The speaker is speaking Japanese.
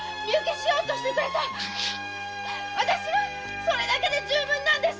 私はそれだけで十分なんです